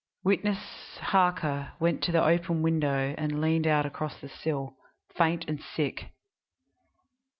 Witness Harker went to the open window and leaned out across the sill, faint and sick.